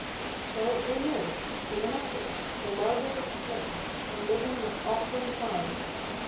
So, they moved—to an attic. Their larder was slim ; And living was awfully high.